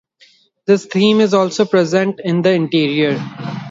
This theme is also present in the interior.